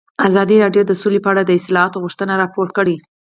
ازادي راډیو د سوله په اړه د اصلاحاتو غوښتنې راپور کړې.